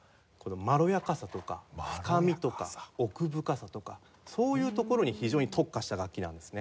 まろやかさとか深みとか奥深さとかそういうところに非常に特化した楽器なんですね。